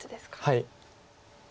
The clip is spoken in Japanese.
はい。